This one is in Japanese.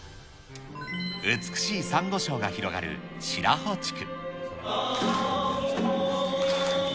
美しいさんご礁が広がる白保地区。